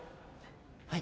はい。